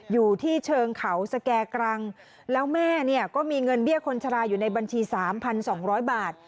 อยู่ที่เชิงเขาสแก่กรังแล้วแม่เนี่ยก็มีเงินเบี้ยคนชะลาอยู่ในบัญชี๓๒๐๐บาท